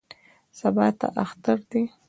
سبا ته اختر دی.